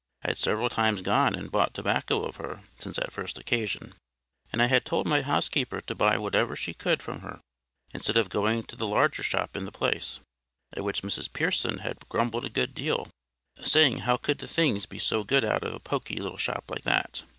I had several times gone and bought tobacco of her since that first occasion; and I had told my housekeeper to buy whatever she could from her, instead of going to the larger shop in the place; at which Mrs Pearson had grumbled a good deal, saying how could the things be so good out of a poky shop like that?